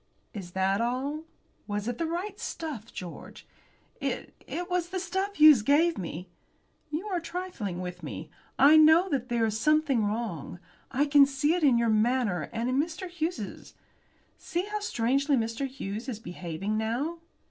"Is that all? Was it the right stuff, George?" "It it was the stuff Hughes gave me." "You are trifling with me? I know that there is something wrong. I can see it in your manner and in Mr. Hughes's. See how strangely Mr. Hughes is behaving now."